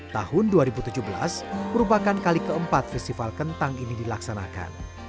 tahun dua ribu tujuh belas merupakan kali keempat festival kentang ini dilaksanakan